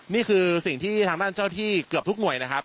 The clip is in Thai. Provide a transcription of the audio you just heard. นี่คือสิ่งที่ทางด้านเจ้าที่เกือบทุกหน่วยนะครับ